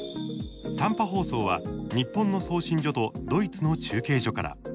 短波放送は日本の送信所とドイツ中継所から。